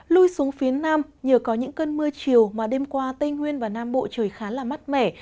lui xuống phía nam nhờ có những cơn mưa chiều mà đêm qua tây nguyên và nam bộ trời khá là mát mẻ